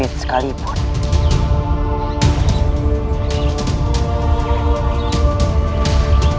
bahkan aku tidak bisa menghalangmu